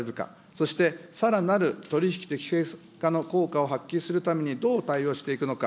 そして、さらなる取り引き適正化の効果を発揮するためにどう対応していくのか。